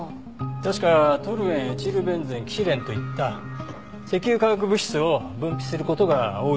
確かトルエンエチルベンゼンキシレンといった石油化学物質を分泌する事が多いみたいだ。